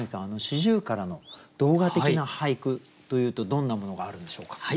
四十雀の動画的な俳句というとどんなものがあるんでしょうか？